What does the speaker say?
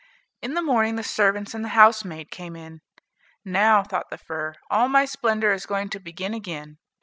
In the morning the servants and the housemaid came in. "Now," thought the fir, "all my splendor is going to begin again."